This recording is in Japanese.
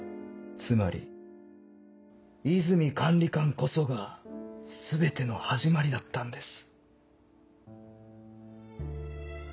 つまり和泉管理官こそが全ての始まりだったんです。